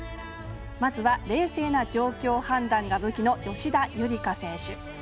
まずは冷静な状況判断が武器の吉田夕梨花選手。